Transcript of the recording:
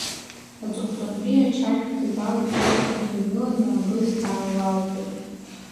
Аҵыхәтәантәи ачашәқәа ҩба адуховка инҭаргыланы, абысҭа ааилалхәеит…